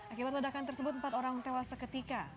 akibat ledakan tersebut empat orang tewas seketika